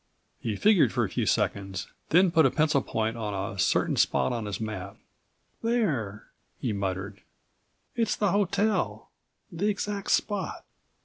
He figured for a few seconds, then put a pencil point on a certain spot on his map. "There!" he muttered. "It's the hotel, the exact spot."